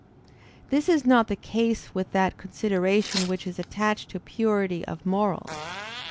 This is not the case with that consideration which is attached to purity of morals.